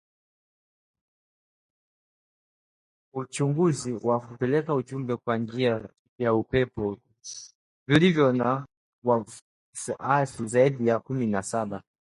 uchunguzi wa kupeleka ujumbe kwa njia yaupepo vilivyo na wafuasi zaidi ya kumi na saba